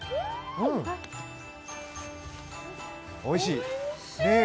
おいしい！